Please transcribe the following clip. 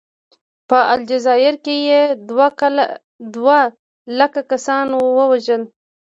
په الجزایر کې یې دوه لکه کسان ووژل.